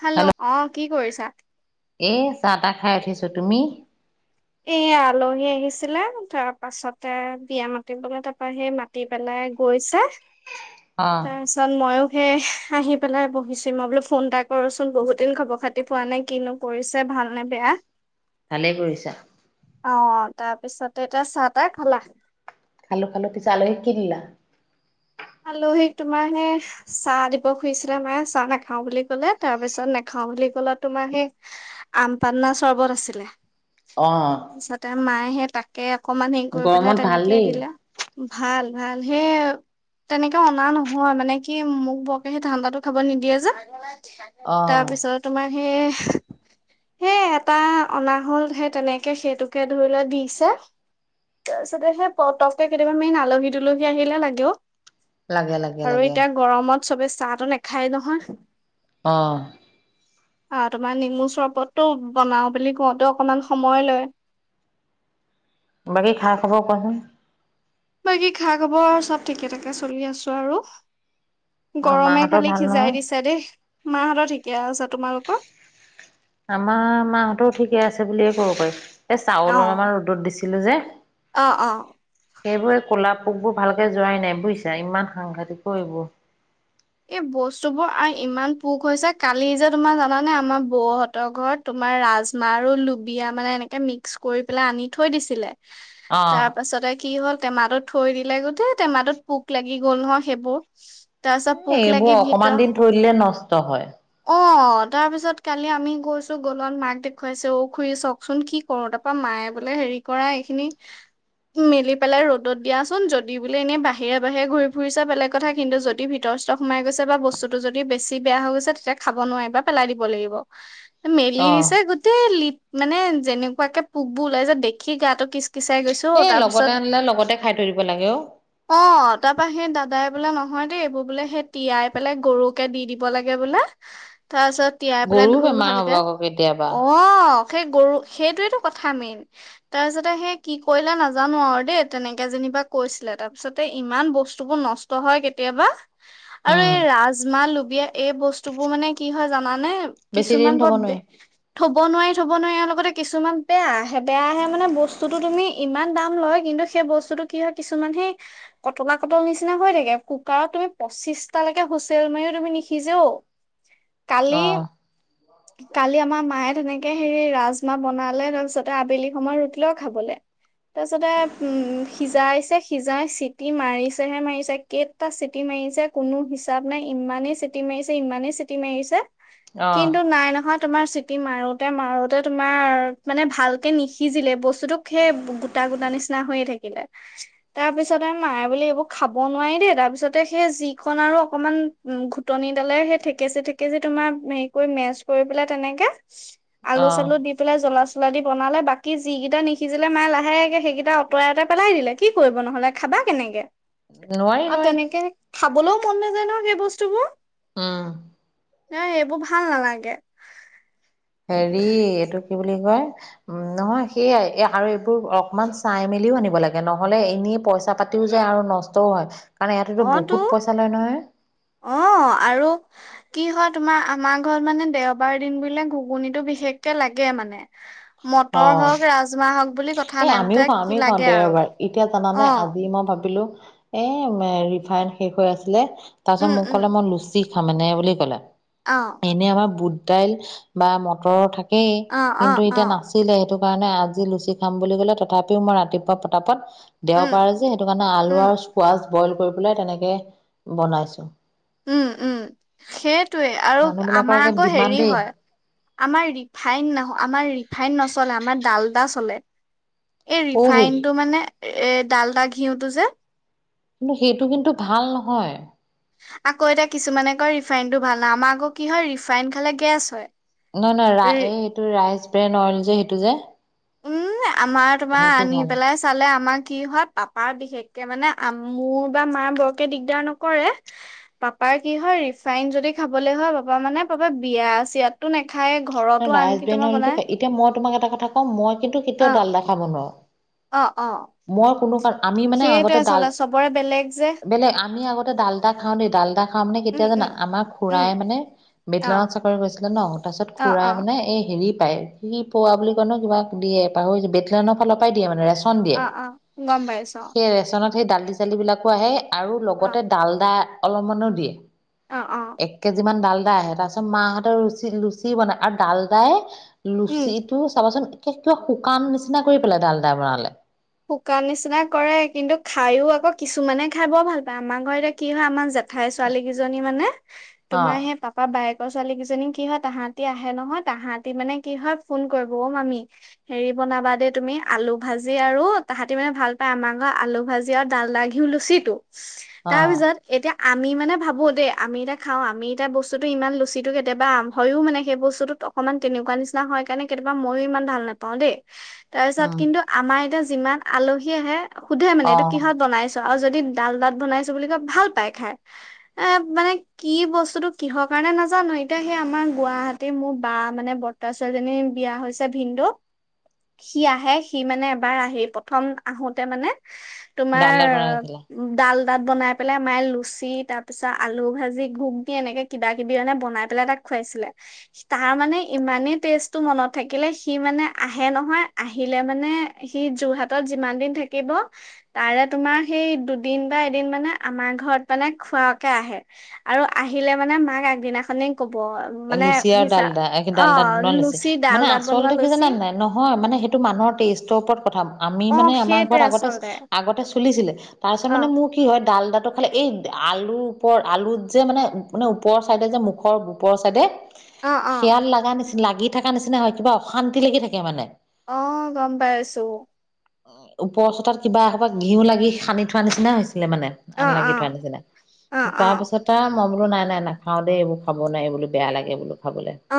Hello অ- কি কৰিছে? চাহ এ- চাহ-তাহ- এয়া আলহী আহিছে। আহিছিলে, তাৰ পাছতে বিয়া মাতিবলে তাৰপিছতে সেই মাতি পেলাই গৈছে। অ তাৰপিছত মইও সেয়ে আহি পেলাই বহিছো, মই বোলো ফোন এটা কৰোচোন বহুত দিন খবৰ খাতি পোৱা নাই কিনো কৰিছে ভাল নে বেয়া? ভালেই কৰিছা। অ-তাৰপিছতে এতিয়া চাহ-তাহ খালা? খালো-খালো পিছে আলহীক কি দিলা? আলহীক তোমাৰ সেই চাহ দিব খুজিছিলা মায়ে চাহ নাখাও বুলি কলে, তাৰপিছত নাখাও বুলি কলত তোমাৰ সেই আম পান্না চৰ্বত আছিলে- অ তাৰপিছত মায়েহে- তাকে- অকমান হেৰি কৰি গৰমত পেলাই ভাল তেনেকেই দেই দিলে। ভাল- ভালহে- তেনেকে অনা নহয়। মানে কি মোক বৰকে সেই ঠাণ্ডাটো খাব নিদিয়ে যে, অ তাৰপিছত তোমাৰ- সেই এটা অনা হল সেই তেনেকে সেইটোকে ধৰি লোৱা দিছে, তাৰপিছতে সেই পতককে কেতিয়াবা মেইন আলহী- দুলহি আহিলে লাগে অ। লাগে -লাগে- লাগে- চবেই চাহ টো নাখায় নহয় অ- অ- তোমাৰ নেমু চৰবততটো বনাও বুলি কওঁতে অকমান সময় লয়। বাকী খা-খবৰ কোৱাচোন। বাকী খা-খবৰ চব ঠিকে থাকে চলি আছো আৰু- অ গৰমে মাহঁতৰ খালি ভাল নহয় সিজাই দিছা দেই। মাহঁতৰ ঠিকে আছা তোমালোকৰ আমাৰ মাহঁতও ঠিকে আছে বুলিয়ে ক'ব পাৰি এ চাউল অ অলপমান ৰ'দত দিছিলো যে অ অ সেইবোৰৰে ক'লা পোকবোৰ ভালকে যোৱাই নাই বুজিছা ইমান সাংঘাতিকো এইবোৰ এই বস্তু বোৰ আৰু ইমান পোক হৈছে কালি যে তোমাৰ জানানে আমাৰ বৌহঁতৰ ঘৰত তোমাৰ ৰাজমাহ আৰু লুবিয় মানে এনেকে মিক্স কৰি পেলাই আনি থৈ দিছিলে। অ তাৰ পাছতে কি হ'ল টেমাতত থৈ দিলে গোটেই টেমাতত পোক লাগি গ'ল নহ সেইবোৰ তা পিছত পোক লাগি এইবোৰ অকমান ভিতৰ দিন থৰি দলে নষ্ট হয় অ তাৰ পিছত কালি আমি গৈছো গ'লত মাক দেখুৱাইছে ঔ খুৰি চাকচোন কি কৰো তাৰপা মায়ে বোলে হেৰি কৰা এইখিনি মেলি পেলাই ৰ'দত দিয়াচোন যদি বোলে এনেই বাহিৰে বাহিৰে ঘূৰি ফুৰিছা বেলেগ কথা কিন্তু যদি ভিতৰ ভৰ ষ্টক সমাই গৈছে বা বস্তুতটো যদি বেছি বেয়া হৈ গৈছে তেতিয়া খাব নোৱাৰিব পেলাই দিব লাগিব। মেলি অ নিচা গোটেই লি মানে যেনেকুৱাকে পোকবোৰ ওলাই যে দেখি গাটো কি পিচাই গৈছো এই লগতে তাৰপিছত আনিলে লগতে খাই থৈ দিব লাগে অ অ তাৰপা সেই দাদাই বোলে নহয় দেই এইবোৰ বোলে সেই তিয়াই পেলাই গৰুকে দি দিব লাগে বোলে তাৰ পিছত তিয়াই পেলাই গৰুও ধুই বেমাৰ হ'ব ভালকে আকৌ কেতিয়াবা অ সেই গৰু সেইটোৱেটো কথা মেইন তাৰ পিছতে সেই কি কৰিলে নাজানো আৰু দেই তেনেকে যেনিবা কৈছিলে তাৰ পিছতে ইমান বস্তুবোৰ নষ্ট হয় কেতিয়াবা আৰু উম এই ৰাজমাহ লো এই বস্তু বোৰ মানে কি হয়। জানানে? মানে বেছি দিন কিছুমান থব পদ নোৱাৰি থব নোৱাৰি থব নোৱাৰি ইয়াৰ লগতে কিছুমান বেয়া আহে বেয়া আহে মানে বস্তুতটো তুমি ইমান দাম লয় কিন্তু সেই বস্তুটো কি হয় কিছুমান সেই কটলা কটল নিচিনা হৈ থাকে কুকাৰত তুমি পঁচিশটালৈকে হুচেল মাৰও তুমি নিখিজেও কালি অ কালি আমাৰ মায়ে তেনেকে হেৰি ৰাজমাহ বনালে তাৰপিছতে আবেলি সময়ত ৰুটি লও খাবলে তাৰপিছতে উম সিজাইছে সিজাই চিটি মাৰিছেহে মাৰিছে কট তটা চিটি চিটি মাৰিছে কোনো হিচাপ নাই ইমানেই চিটি মাৰিছে ইমানেই চিটি মাৰিছে অ কিন্তু নাই নহয় তোমাৰ চিটি মাৰোতে মাৰোতে তোমাৰ মানে ভালকে নিসিজিলে বস্তুতোক সেই গোটা গোটা নিচিনা হৈয়ে থাকিলে তাৰ পিছতে মায়ে বুলি এইবোৰ খাব নোৱাৰি দেই তাৰপিছত ততে সেই যিখন আৰু অকনমান উ ঘুটনি দালে সেই থেকেচি থেকেচি তোমাৰ হেৰি কৰি মেচ কৰি পেলাই তেনেকে অ আলু চালু দি পেলাই জলা পচলা দি বনালে বাকী যিকেইটা নিসিজিলে মায়ে লাহেগে সেইকেইটা আঁতৰাইঁতে পেলাই দিলে কি কৰিব নহ'লে খাবা কেনেকে নোৱাই আৰু নোৱাই তেনেকে খাবলৈও মন নাযায় ন সেই বস্তুবোৰ উম ন এইবোৰ ভাল নালাগে। হেৰি এইটো কি বুলি কয় উম নহয় সেইয়াই আৰু এইবোৰ অকমান চাই মেলিও আনিব লাগে নহলে এনেই পইচা পাতিও যায় আৰু নষ্টও হয়। কাৰণ ইয়াতেতো অ তো বহুত পইচা লয় নহয় অ আৰু কি হয় তোমাৰ আমাৰ ঘৰত মানে দেওবাৰ দিন বুলে ঘুগুনিটো বিশেষকে লাগে মানে। অ মটৰ হওক ৰাজমাহ হওক বুলি কথা এই নাই আমিও মুঠতে খাওঁ কি আমিও খাওঁ লাগে আৰু দেওবাৰ এতিয়া জানা অ নাই আজি মই ভাবিলো এ ৰিফাইন শেষ হৈ আছিলে, তাৰপিছত উম মোক উম কলে মোৰ লুচি সমানে বুলি কলে। অ এনে আমাৰ বুদ্ধি দাইল বা মটৰ থাকে অ অ কিন্তু অ এতিয়া নাছিল সেইটো কাৰণে আজি লুচি খাম বুলি গ'লে তথাপিও মই ৰাতিপুৱা পতাপত উম দেওবাৰে যে সেইটো কাৰণে আলু উম আৰু চুৱাজ বইল কৰি পেলাই তেনেকে বনাইছো। উম উম সেই তোয়ে, আৰু মানুহ বিলাকৰ আমাৰ একে আক ডিমাণ্ড হেৰি দেই হয় আমাৰ ৰিফাইন ন আমাৰ ৰিফাইন নচলে আমাৰ ডালডা চলে চলে এই সৌহি ৰিফাইনটো মানে এ ডালডা ঘিউতো যে কিন্তু সেইটো কিন্তু ভাল নহয়। আকৌ এতিয়া কিছুমানে কয় ৰিফাইনটো ভাল নাই আমাৰ আকৌ কি হয় ৰিফাইন খালে গেছ হয়। নহয় নহয় ৰা এই এইটো ৰাইজ অয়েল যে সেইটো যে উম আমাৰ তোমাৰ সেইটো আনি ভাল পেলাই চালে আমাক কি হয় পাপাৰ বিশেষকে মানে মোৰ বা মাৰ বৰকে দিগদাৰ নকৰে পাপাৰ কি হয় ৰিফাইন যদি খাবলৈ হয় পাপা মানে পাপা বিয়া চিয়াতো নেখা খাই ঘৰতো ৰাইচ আনকি ব্ৰেন তোমাৰ অইলটো বনাই এতিয়া মই তোমাক এটা কথা কওঁ মই কিন্তু কেতিয়াও অ ডালডা খাব নোৱাৰোঁ, অ অ মই কোনো কাৰণ আমি মানে সেইটোৱে আগতে ডাল আচলতে চবৰে বেলেগ যে বেলেগ আমি আগতে ডালদা খাওঁ দে ডালদা মানে উম কেতিয়া জানা, উম আাৰ খুৰা উম মানে অ বেটলেনত চাকৰি কৰিছিলে ন তাৰপিছত অ খুৰাই অ মানে এই হেৰি কি পোৱা বুলি কয় ন কিবাক দিয়ে পাহৰি বেলেনৰ ফালৰ পৰাই দিয়ে মানে ৰা অ অ উ গম পায়চো অ ৰেচনত সেই দালি চালি বিলাকো আহে আৰু লগতে ডালদা অলপমানো দিয়ে অ অ এক কেজি মান ডাল আহে ত পাছত মাহঁতৰ ৰুচি। কি বনাই আৰু ডাল দাই উম লুচি টো চাবচোন ক শুকান নিচিনা কৰি পেলাই ডাল দাই বনালে শুকান নিচিনা কৰে কিন্তু খায়ো আকৌ কিছুমানে খাই বৰ ভাল পায় আমাৰ ঘৰ এতিয়া কি হয় আমাৰ জাত ঠাই ছোৱালী কেইজনী মানে অ তোমাৰ সেই পাপা বায়েক তৰ ছোৱালী কেইজনী কি হয় তাহাঁতি আহে নহয় তাহাঁতি মানে কি হয় ফোন কৰিব মামি হেৰি বনাবা দেই তুমি আলু ভাজি আৰু তাহাঁতি মানে ভাল পায় আমাৰ ঘ আলু ভাজি আৰু ডালদা ঘিউ লুচি টো অ তাৰপিছত এতিয়া আমি মানে ভাবো দেই আমি এতিয়া খাও আমি এতিয়া বস্তুতটো ইমান লুচিতটো কেতিয়াবা হয়ও মানে সেই বস্তুটোত অকণমান তেনেকুৱা নিচিনা হয় কাৰণে কেতিয়াবা মইো ইমান ভাল নোপাওঁ দেই তাৰ পিছত উম কিন্তু আমাৰ এতিয়া যিমান আলহী আহে সোধে মানে অ এইটো কিহত বনাইছে আৰু যদি ডাল ভাত বনাইছো বুলি কয় ভাল পাই খাই এ মানে কি বস্তুতটো কিহৰ কাৰণে নাজানো এতিয়া সেই আমাৰ গুৱাহাটীৰ মোৰ বা মানে বত্তাছোৱালীজনীৰ বিয়া হৈছে ভিনন্দু সি আহে সি মানে এবাৰ আহি প্ৰথম আহোতে মানে তোমাৰ ডালদা বনাইছিলে ডাল তাত বনাই পেলাই মাই লুচি তাৰ পিছত আলু ভাজি ঘক দি এনেকে কিবা কিবি এনে বনাই পেলাই তাক খুৱাইছিলে তাৰ মানে ইমানেই টেষ্টটো মনত থাকিলে সি মানে আহে নহয় আহিলে মানে সি যোৰহাটত যিমান দিন থাকিব তাৰে তোমাৰ সেই দুদিন বা এদিন মানে আমাৰ ঘৰত মানে খোৱাকে আহে আৰু আহিলে মানে মাক আগদিনাখনি কব মানে লুচি আৰু সিচা ডালদা অ ডালদাত বনোৱা লুচি ডাল মানে তাত বনোৱা আচলতে কি লুচি জান নাই নহয় মানে সেইটো মানুহৰ টেষ্টৰ ওপৰত প্ৰথম আমি অ মানে আমাৰ সেইটোৱে ঘৰত আগতে আচলতে আগতে চলিছিলে তাৰ পিছত অ মানে মোৰ কি হয় ডাল ডাল খ আলু ওপৰত আলু যে মানে ওপৰছাইদে ওপৰ চাইডে অ অ শিয়াল লগাগ নিছি লাগি থকা নিচিনা হয় কিবা অশান্তি লাগি থাকে মানে অ গম পাই আছো উ ওপৰ চোতাত কিবা এসা ঘিউ লাগি সানি থোৱা নিচিনা হৈছে ছিলে মানে আন অ', লাগি থোৱা অ', নিচিনা অ', অ', তাৰপিছত মই বলো নাই নাই নাখাওঁ দে এইবোৰ খাব ন বোলো বেয়া [unintelligible] লাগে বোলো খাবলে অ,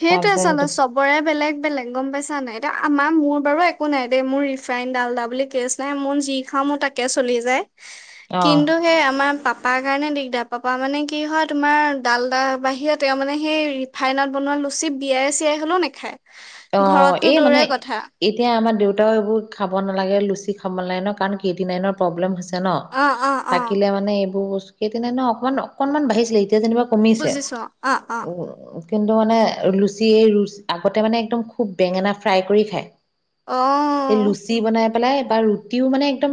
সেইটোৱে তাৰপিছত চা না সেইটো চবৰে বেলেগ বেলেগ গম পাইছা নাই। এতিয়া আমাৰ মোৰ বাৰু একো নাই দেই মোৰ ৰিফাইন ডাল্ডা বুলি কেচ নাই মোৰ যি খাওঁ মোৰ তাকে চলি যায়, অ কিন্তু সেই আমাৰ পাপাৰ কাৰণে দিগদাৰ। পাপা মানে কি হয়, তোমাৰ ডাল্ডাৰ বাহিৰে তেওঁ মানে সেই ৰিফাইনত বনোৱা লুচি বিয়াই চিয়াই হ'লেও নেখায়। অ এই মানে, এতিয়া আমাৰ দেউত ত এইবোৰ খাব নালাগে, লুচি খাব নালাগ ন, কাৰণ ক্ৰিয়েটিনাইনৰ প্ৰব্লেম হৈছে। ছে ন। অ', অ', অ', থাকিলে মানে এইবোৰ বস্ত সেইদিনা ন অকনমান, অকনমান বাঢ়িছিলে। এত তিয়া যেনিবা কমিছে। বুজিছো অ', অ', অ', উম। কিন্তু মানে, লুচি এই ৰুচ, আগতে মানে একদম খুব বেঙেনা ফ্ৰাই কৰি খায়। এই লুচি বনাই পেলাই, বা ৰুটিও মানে একদম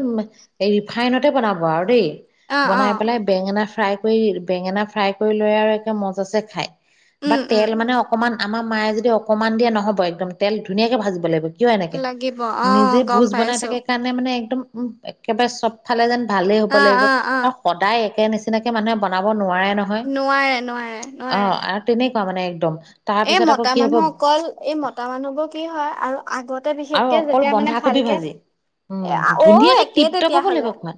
ৰিফাইনতে বনাব আৰু দেই। অ', বনাই অ', পেলাই, বেঙেনা ফ্ৰাই কৰি, বেঙেনা ফ্ৰাই কৰি লয় আৰু একে মজা ছে খায়। বা উম, উম, তেল মানে অকমান, আমাৰ মায়ে যদি অকণমান দিয়ে, নহ হ'ব একদম, তেল ধুনীয়াকে ভাজিব লাগিব। কিয় এনেকে, লাগিব নিজে অ', গম ভোজ বনাই পাইছো থাকে কাৰণে মানে একদম উম, একেবাৰে চব ফালে যেন ভালেই হ'ব অ', লাগিব, অ', অ', আৰু সদায় সেই নিচিনাকে মানুহে বনাব নোৱাৰে নহয়। নোৱাৰে নোৱাৰে অ, আৰু তেনে কোৱা মানে একদম। তাৰ এ পিছত আকৌ মতা কি হ'ব মানুহ অকল এই মতা মানুহবোৰ কি হয় আৰু আগতে আৰু বিশেষকে অকল যেতিয়া মানে বন্ধাকবি ভালকে, ভাজি উম অ ধুনীয়াকে একেই টিপ টপ তেতিয়া হ'ব হ'লে, লাগিব খোৱা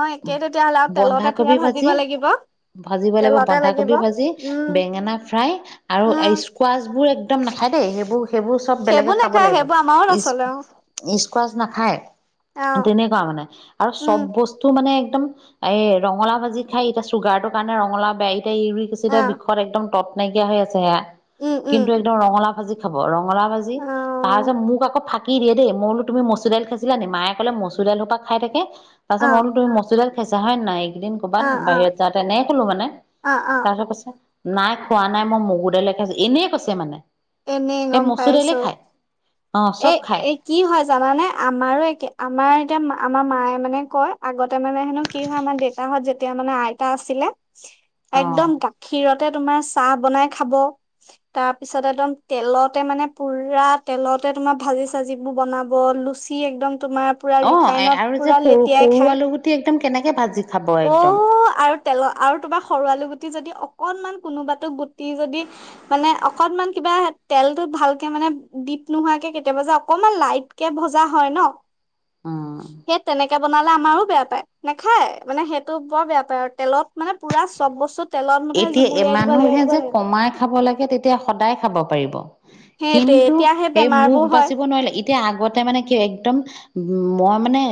অ একেই তেতিয়া হ'লে আৰু তেলতে পুৰা বন্ধাকবি ভাজিব ভাজি লাগিব। ভাজিব তেলতে লাগিব, বন্ধাকবি ভাজি বেঙেনা ফ্ৰাই উম। আৰু স্কোৱাচ বোৰ একদম না খায় দেই সেইবোৰ সেইবোৰ চব বেলেগে সেইবোৰ খাব নাখায় লাগিব। সেইবোৰ আমাৰো ইচ, নচলে ইচ কচ নাখায়। অ তেনেকুৱা মানে। আৰু চব উম বস্তু মানে একদম এ ৰঙালা ভাজি খায়, এতিয়া চুগাৰটোৰ কাৰণে ৰঙলা বেয়া এই ইউৰিক অ এচিডে বিষত একদম তত নাইকিয়া হৈ আছে হেয়া উম উম কিন্তু একদম ৰঙালাউ ভাজি খাব আৰু ৰঙলাউ ভাজি অ তাৰিছত মোক আকৌ ফ থাক দেই মই বো তুমি মচু দাইল খাইছিলা নে মায়ে ক'লে মচুৰ দাই সোপাক খাই থাকে তাৰ পাছত অ মই বুলো মছু দাইল ছা হয় নাই এদিন কৰ'ৰবাত অ অ বাহিৰত যাওঁতে ন কলো মানে অ অ তাৰত কৈছে নাই খোৱা নাই মই মগু দাইলকে আছো এনেই কৈছে মানে এনেই সেই গম মচুৰ দাইলে পাইছো খায় অ এ চব খায় এ কি হয় জানানে আমাৰো একে আমাৰ এতিয়া আমাৰ মায়ে মানে কয় আগত তাৰ মেন কি হয় আমাৰ সাহত যেতিয়া মানে আইতা আছিলে অ একদম গাখীৰত তোমাৰ চাহ বনাই খাব তাৰপিছত একদম তেলতে মানে পুৰা তেলতে তোমাৰ ভাজি চাজিবোৰ বনাব লুচি একদম তোমাৰ পুৰা অ ৰিফাইনত আৰু যে পুৰা সৰু লেতিয়াই সৰু খায় আলু গুটি একদম কেনেকে ভাজি খাব অ একদম আৰু তেল আৰু তোমাৰ সৰু আলু গুটি যদি অকনমান কোনোবাতো গুটি যদি মানে অকনমান কিবা তেলটো ভালকে মানে ডপ নোহোৱাকে কেতিয়াবা যে অকনমান লাইট কে ভজা হয় ন উম সেই তেনেকে বনালে আমাৰো বেয়া পায় নেখায় মানে সেইটো বৰ বেয়া পায় আৰু তেলত মানে পুৰা চব বস্তুত এতিয়া মানুহে যে কমাই খাব লাগে তেতিয়া সদায় খাব পাৰিব সেইটোৱে কিন্তু এতিয়া সেই মুখ বেমাৰবোৰ হয় বাচিব নোৱাৰিলে এতিয়া আগতে মানে কি একদম উম মই মানে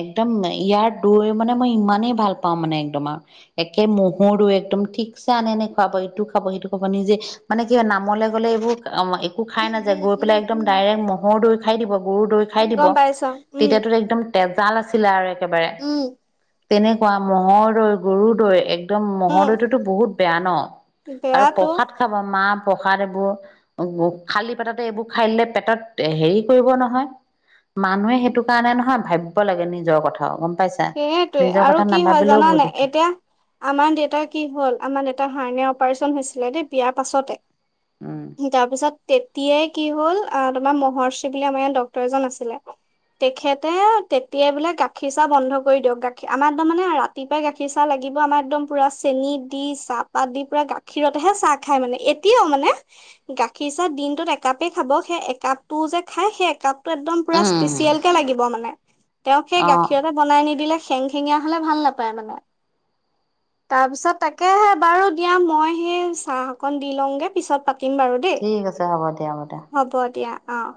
একদম ইয়াৰ দৈ মানে মই ইমানেই ভাল পাওঁ মানে একদম আৰু একে মহৰ দৈ একদম ঠিকছে আনে নে খুৱাব এইটো খাব সেইটো খব নিজে মানে কি হয় নামলে গ'লে এইবোৰ অ একো খাই উম নাযায় উম গৈ উম পেলাই একদম ডাইৰেক্ট মহৰ দৈ খাই দিব গৰু দৈ খাই উম দিব গম পাইছ উম তেতিয়া টো জাল আছিলে আৰু একেবাৰে উম তেনেকুৱা ম'হৰ দৈ গৰু দৈ একদম উম মহৰদৈটোত বহুত বেয়া ন, আৰু বেয়াটো প্ৰসাদ খাব মা- প্ৰসাদ এইবোৰ খালি পেটতে এইবোৰ খাই দিলে পেটত হেৰি কৰিব নহয়। মানুহে সেইটো কাৰণে নহয় ভাবিব লাগে নিজৰ কথাও। গম পাইছা সেইয়েতোৱে নিজৰ আৰু কথা কি হয় নাভাবিলেও জানা বহুত নাই, দিগদাৰ এতিয়া আমাৰ দেউতাৰ কি হ'ল? আমাৰ দেউা হাৰণিয় অপাৰচন হৈছিলে দেই বিয়াৰ উম পাছতে। তাৰপিছত তেতিয়াই কিহল আ তুমাৰ মহৰ চীগীলামে ডক্তৰ এজন আছিলে। তেখেতে তেতিয়া বোলে গাখীৰ চাহ বন্ধ কৰি দিয়ক গাখীৰ আমাৰ একদম মানে ৰাতিপূৱাই গাখীৰ চাহ লাগিব আমাৰ একদম পুৰা চেনি দি চাহপাত দি পুৰা গাখীৰতহে চাহ খাই মানে এতিয়াও মানে। গাখীৰ চাহ দিনটোত একাপেই খাব সেই একাপ টো যে খাই সেই একাপ টো একদম উম স্পিচিয়েল লাগিব মানে। তেওঁক সেই অ গাখীৰত বনাই নিদি দিলে খেং খেঙীয়া হলে ভাল নাপায় মানে, তাৰপিছত তাকে বাৰু দিয়া মই সেই চাহকন দি লওঁগে পিছত পাত- পাতিম বাৰু দেই। ঠিক আছে হ'ব দিয়া দিয়া হ'ব দিয়া, অঁঃ